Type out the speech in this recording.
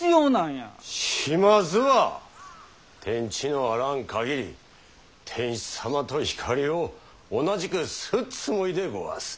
島津は天地のあらん限り天子様と光を同じくすっつもいでごわす。